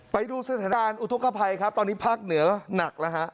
ไปดูสถานการณ์อุทธกภัยครับตอนนี้ภาคเหนือหนักแล้วฮะ